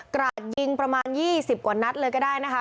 ราดยิงประมาณ๒๐กว่านัดเลยก็ได้นะคะ